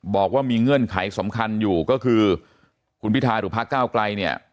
บอกว่ามีเงื่อนไขสำคัญอยู่ก็คือคุณพิทาหรือพระเก้าไกลเนี่ย